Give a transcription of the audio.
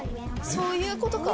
そういうことか。